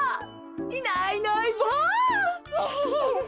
いないいないばあ！